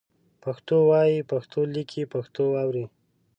پښتو وایئ، پښتو لیکئ، پښتو اورئ